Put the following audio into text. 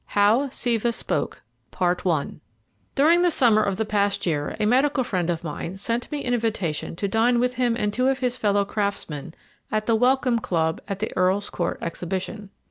V HOW SIVA SPOKE During the summer of the past year a medical friend of mine sent me an invitation to dine with him and two of his fellow craftsmen at the Welcome Club at the Earl's Court Exhibition.